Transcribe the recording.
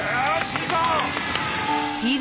いいぞ！